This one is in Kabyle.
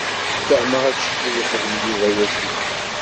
Fehmeɣ acimi yexdem Yuba akken.